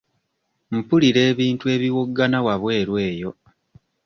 Mpulira ebintu ebiwoggana wabweru eyo.